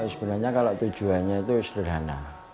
sebenarnya kalau tujuannya itu sederhana